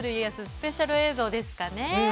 スペシャル映像ですかね。